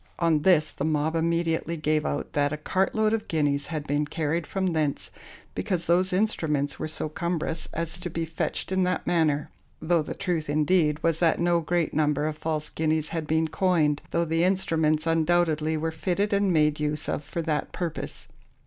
On this, the mob immediately gave out that a cart load of guineas had been carried from thence, because those instruments were so cumberous as to be fetched in that manner; though the truth, indeed, was that no great number of false guineas had been coined, though the instruments undoubtedly were fitted and made use of for that purpose.